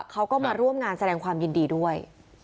เขาก็มาร่วมงานแสดงความยินดีด้วย